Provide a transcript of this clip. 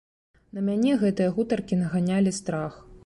На мяне гэтыя гутаркі наганялі страх.